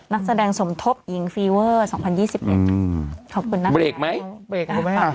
นักแสดงสมทบหญิงฟีเวอร์สองพันยี่สิบเอ็งอืมขอบคุณนักแสดงเปลี่ยนไหม